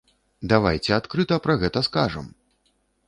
Давайце адкрыта пра гэта скажам!